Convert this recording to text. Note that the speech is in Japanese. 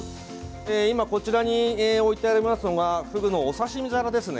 今こちらに置いてありますのがフグのお刺身皿ですね。